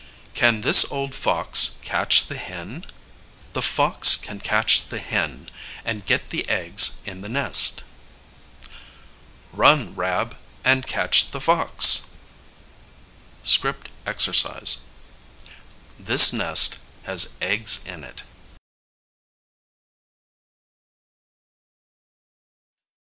] Can this old fox catch the hen? The fox can catch the hen, and get the eggs in the nest. Run, Rab, and catch the fox. [Illustration: Script Exercise: This nest has eggs in it.